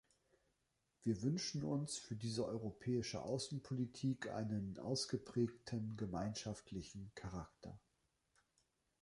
Wir wünschen uns für diese europäische Außenpolitik einen ausgeprägteren gemeinschaftlichen Charakter.